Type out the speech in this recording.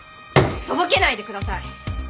とぼけないでください！